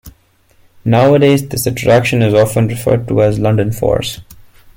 Nowadays this attraction is often referred to as "London force".